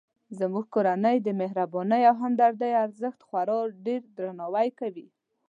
زموږ کورنۍ د مهربانۍ او همدردۍ ارزښت خورا ډیردرناوی کوي